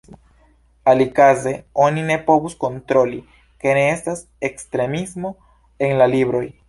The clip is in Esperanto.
Alikaze oni ne povus kontroli, ke ne estas ekstremismo en la libroj.